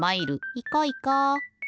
いこいこ。